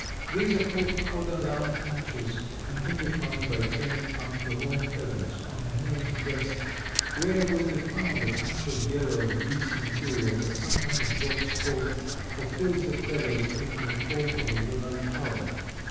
These are called powder down patches, and can be found by turning up the long feathers on the heron's breast, where will be found a patch of yellow, greasy material that sometimes drops off or fills the feathers in the form of a yellow powder.